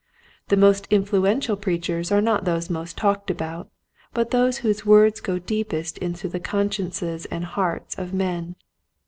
The most influential preachers are not those most talked about but those whose words go deepest into the consciences and hearts of men.